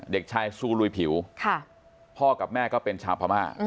เด็กชายซูลุยผิวพ่อกับแม่ก็เป็นชาวพม่า